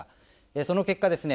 その結果ですね